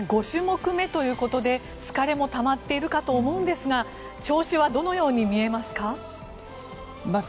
５種目目ということで疲れもたまっているかと思うんですが調子はどのように見えますか？